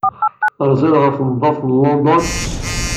Terzid ɣef Tneḍḍaft n London?